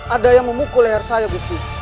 ada yang memukul leher saya gusti